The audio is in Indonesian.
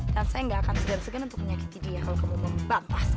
dan saya nggak akan segan segan untuk menyakiti dia kalau kamu membantah saya